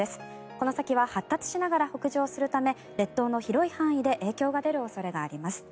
この先は発達しながら北上するため列島の広い範囲で影響が出る恐れがあります。